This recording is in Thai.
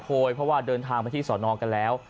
เพราะเบาะเดินทางมาที่สวนอกษ์กันแล้ว